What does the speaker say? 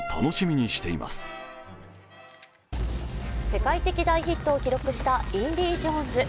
世界的大ヒットを記録した「インディ・ジョーンズ」。